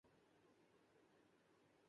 مجھیں ایک ایںر گاڑی کی ضریںرت نہیں تھیں وہاں